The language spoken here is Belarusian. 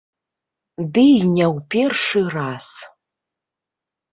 Ды і не ў першы раз.